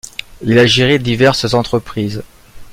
Il a géré diverses entreprises.